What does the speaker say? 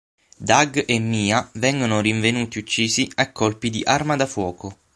Dag e Mia vengono rinvenuti uccisi a colpi di arma da fuoco.